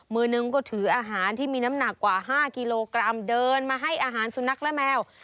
มือนึงก็ถืออาหารที่มีน้ำหนักกว่า๕กิโลกรัมเดินมาให้อาหารสุนัขและแมว